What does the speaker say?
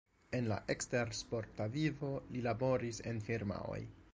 En la ekstersporta vivo li laboris en firmaoj.